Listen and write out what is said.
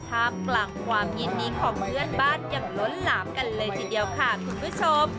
ท่ามกลางความยินดีของเพื่อนบ้านอย่างล้นหลามกันเลยทีเดียวค่ะคุณผู้ชม